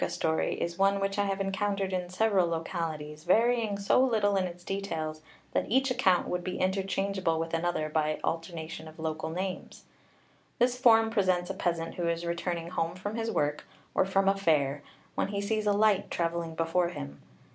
The most familiar form of the Pwca story is one which I have encountered in several localities, varying so little in its details that each account would be interchangeable with another by the alteration of local names. This form presents a peasant who is returning home from his work, or from a fair, when he sees a light travelling before him.